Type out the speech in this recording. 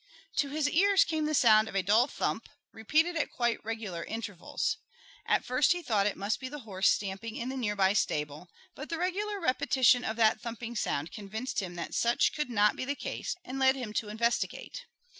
To his ears came the sound of a dull thump, repeated at quite regular intervals. At first he thought it must be the horse stamping in the near by stable, but the regular repetition of that thumping sound convinced him that such could not be the case and led him to investigate.